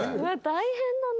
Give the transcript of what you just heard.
大変だな。